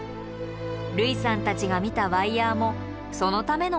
類さんたちが見たワイヤーもそのためのものでした。